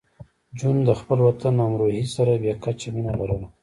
جون د خپل وطن امروهې سره بې کچه مینه لرله